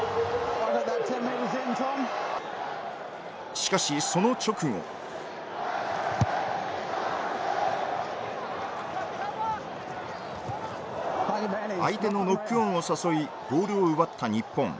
しかしその直後相手のノックオンを誘いボールを奪った日本。